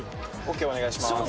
桶お願いします